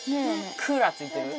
クーラーついてる？